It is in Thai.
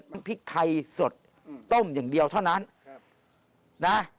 พริกไทยสดต้มอย่างเดียวเท่านั้นนะ